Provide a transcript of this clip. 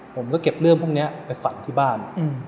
ผมก็เก็บเรื่องพวกนี้ไปฝังที่บ้าน